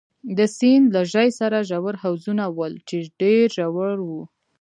د سیند له ژۍ سره ژور حوضونه ول، چې ډېر ژور وو.